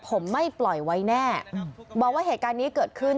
ผมไม่ปล่อยไว้แน่บอกว่าเหตุการณ์นี้เกิดขึ้น